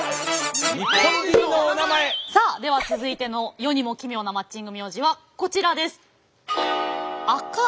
さあでは続いての世にも奇妙なマッチング名字はこちらです。